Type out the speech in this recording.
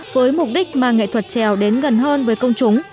với mục đích mà nghệ thuật trèo đến gần hơn với công chúng